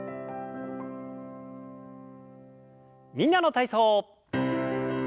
「みんなの体操」。